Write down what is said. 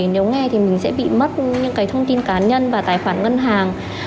nếu nghe thì mình sẽ bị mất những thông tin cá nhân và tài khoản ngân hàng